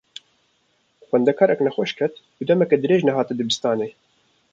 Xwendekarek nexweş ket û demeke dirêj nehat dibistanê.